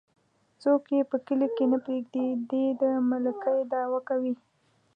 څوک يې په کلي کې نه پرېږدي ،دى د ملکۍ دعوه کوي.